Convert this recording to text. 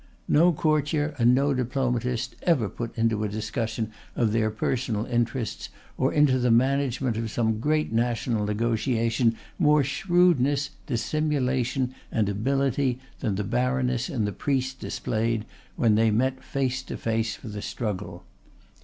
No courtier and no diplomatist ever put into a discussion of their personal interests or into the management of some great national negotiation more shrewdness, dissimulation, and ability than the baroness and the priest displayed when they met face to face for the struggle.